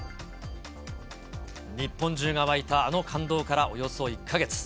日本中が沸いたあの感動からおよそ１か月。